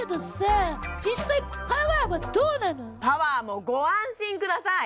うん確かにパワーもご安心ください